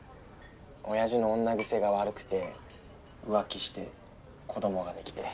親父の女癖が悪くて浮気して子供ができて。